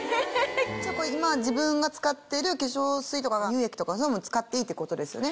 じゃあこれ今自分が使ってる化粧水とか乳液とかそういうのも使っていいってことですよね。